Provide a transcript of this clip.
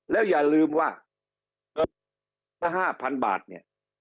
แล้วอย่าลืมว่า๕๐๐๐บาทเนี่ย